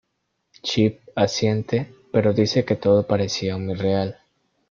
Chip asiente pero dice que todo parecía muy real.